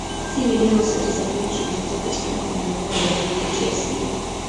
Si video zote za YouTube zinazopatikana kwenye muundo wa tovuti ya simu.